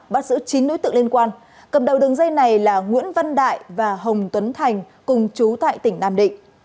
bắt giữ chín đối tượng liên quan cầm đầu đường dây này là nguyễn văn đại và hồng tuấn thành cùng chú tại tỉnh nam định